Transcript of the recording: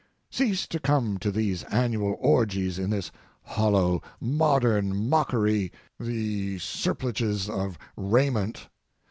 Cease to come to these annual orgies in this hollow modern mockery—the surplusage of raiment.